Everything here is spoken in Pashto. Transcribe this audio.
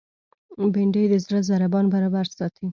بېنډۍ د زړه ضربان برابر ساتي